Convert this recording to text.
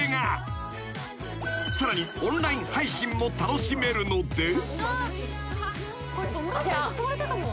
［さらにオンライン配信も楽しめるので］